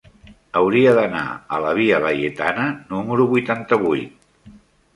Hauria d'anar a la via Laietana número vuitanta-vuit.